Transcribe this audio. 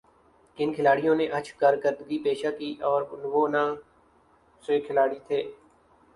کن کھلاڑی نے اچھ کارکردگی پیشہ کی اور وہ کونہ سے کھلاڑی تھے